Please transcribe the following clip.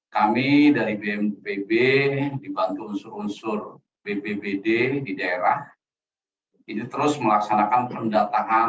kami dari bnpb dibantu unsur unsur bpbd di daerah ini terus melaksanakan pendataan